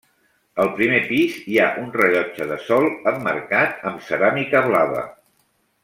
Al primer pis hi ha un rellotge de sol emmarcat amb ceràmica blava.